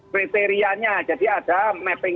kriteriannya jadi ada mapping